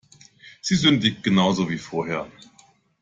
Sie sündigt genauso wie vorher.